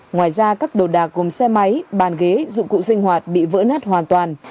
ngoài ra các đồ đạc gồm xe máy bàn ghế dụng cụ sinh hoạt bị vỡ nát hoàn toàn